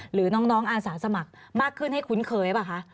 หรือน้องอาสาสมัครมากขึ้นให้คุ้นเคยใช่ไหมคะ